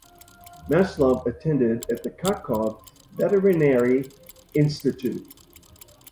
Maslov attended at the Kharkov Veterinary Institute.